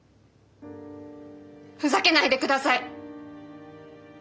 ふざけないでください！